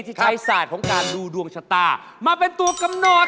ที่ใช้ศาสตร์ของการดูดวงชะตามาเป็นตัวกำหนด